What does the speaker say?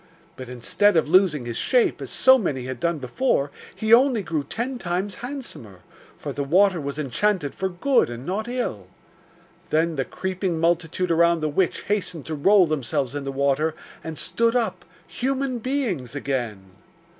But instead of losing his shape, as so many had done before, he only grew ten times handsomer; for the water was enchanted for good and not ill. Then the creeping multitude around the witch hastened to roll themselves in the water, and stood up, human beings again.